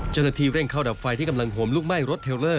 จนทีเร่งเข้าดับไฟที่กำลังห่มลูกม่ายรถจักรยานยนต์